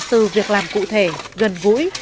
từ việc làm cụ thể gần gũi